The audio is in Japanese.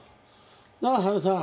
なあ春さん。